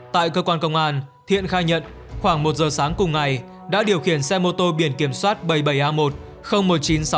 tại cơ quan công an thiện khai nhận khoảng một giờ sáng cùng ngày đã điều khiển xe mô tô biển kiểm soát bảy mươi bảy a một một nghìn chín trăm sáu mươi